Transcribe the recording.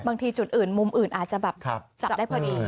จุดอื่นมุมอื่นอาจจะแบบจับได้พอดี